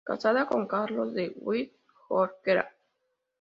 Casada con Carlos de Witt Jorquera.